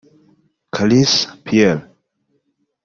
Kalisa Pierre